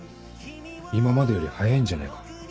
今までより速いんじゃないか？